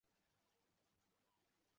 圣格雷瓜尔人口变化图示